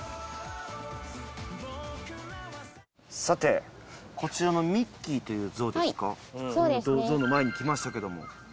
さてこちらのミッキーというゾウの前に来ましたけども。